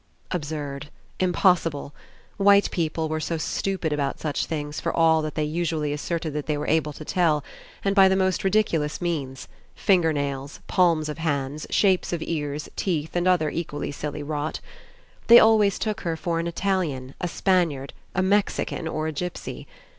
Absurd! Impossible! White people were i8 ENCOUNTER SO stupid about such things for all that they usually asserted that they were able to tell; and by the most ridiculous means, finger nails, palms of hands, shapes of ears, teeth, and other equally silly rot. They always took her for an Italian, a Spaniard, a Mexican, or a gipsy.